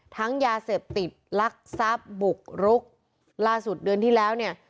ยาเสพติดลักทรัพย์บุกรุกล่าสุดเดือนที่แล้วเนี่ย